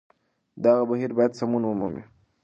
دغه بهير بايد سمون ومومي